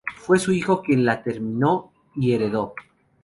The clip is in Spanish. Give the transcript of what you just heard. Fue su hijo quien la terminó y heredó.